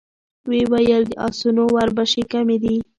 ويې ويل: د آسونو وربشې کمې دي.